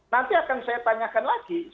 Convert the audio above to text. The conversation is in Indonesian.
nanti akan saya tanyakan lagi